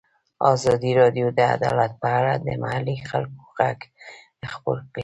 ازادي راډیو د عدالت په اړه د محلي خلکو غږ خپور کړی.